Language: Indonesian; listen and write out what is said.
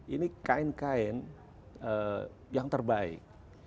ini kain kain yang terbaik